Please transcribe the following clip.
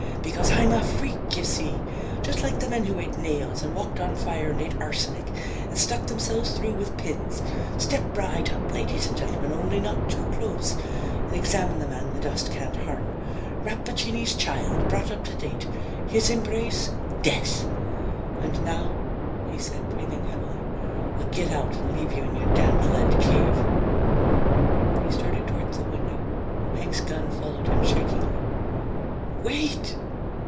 Because I'm a freak, you see, just like the men who ate nails and walked on fire and ate arsenic and stuck themselves through with pins. Step right up, ladies and gentlemen only not too close! and examine the man the dust can't harm. Rappaccini's child, brought up to date; his embrace, death! "And now," he said, breathing heavily, "I'll get out and leave you in your damned lead cave." He started toward the window. Hank's gun followed him shakingly. "Wait!"